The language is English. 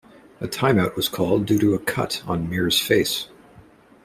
A time out was called due to a cut on Mir's face.